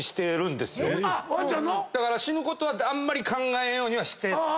だから死ぬことはあんま考えんようにはしてて。